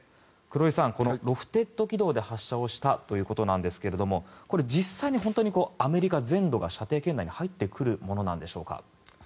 黒井さん、このロフテッド軌道で発射をしたということなんですがこれ実際に本当にアメリカ全土が射程圏内に入ってくるものでしょうか。